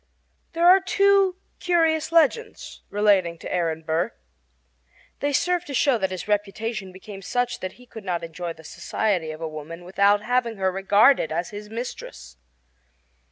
There are two curious legends relating to Aaron Burr. They serve to show that his reputation became such that he could not enjoy the society of a woman without having her regarded as his mistress.